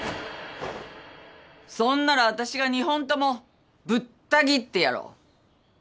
そんならあたしが二本ともぶった切ってやろう。